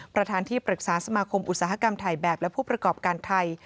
ประธานที่ปรึกษาสมาคมอุตสาหกรรมถ่ายแบบและผู้ประกอบการไทย